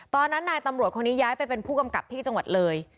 นายตำรวจคนนี้ย้ายไปเป็นผู้กำกับที่จังหวัดเลย